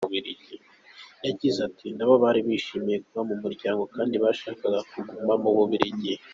Yagize ati "Nabo bari bishimiye kuba mu muryango, kandi bashakaga kuguma mu Bubiligi.